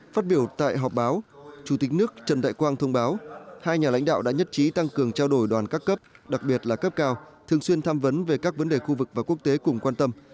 phát biểu tại họp báo chủ tịch nước trần đại quang thông báo hai nhà lãnh đạo đã nhất trí tăng cường trao đổi đoàn các cấp đặc biệt là cấp cao thường xuyên tham vấn về các vấn đề khu vực và quốc tế cùng quan tâm